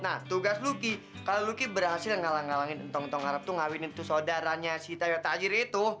nah tugas lu kalau lu berhasil ngalah ngalahin entong entong arab tuh ngawinin tuh saudaranya si tayo tajir itu